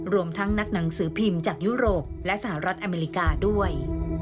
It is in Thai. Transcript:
รวมทั้งนักหนังสือพิมพ์จากยุโรปและสหรัฐอเมริกาด้วย